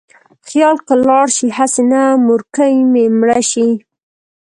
خیال کې لاړ شې: هسې نه مورکۍ مې مړه شي